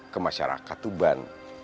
ke masyarakat tuban